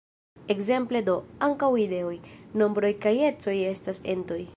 Ekzemple do, ankaŭ ideoj, nombroj kaj ecoj estas entoj.